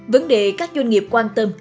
vấn đề các doanh nghiệp quan tâm